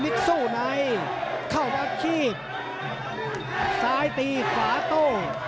มิกซูนัยเข้าดับขี้ซ้ายตีฝาโต้